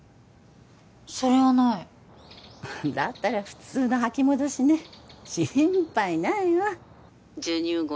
それはないだったら普通の吐き戻しね心配ないわ☎授乳後